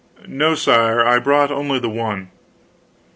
"No, sire, I brought only the one."